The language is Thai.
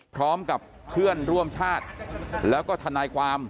พร้อมกับเพื่อนร่วมชาติแล้วก็ทนายความ